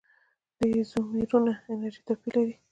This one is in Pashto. د ایزومرونو انرژي توپیر لري.